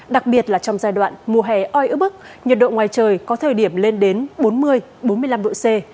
đặc biệt là trong giai đoạn mùa hè oi ức nhiệt độ ngoài trời có thời điểm lên đến bốn mươi bốn mươi năm độ c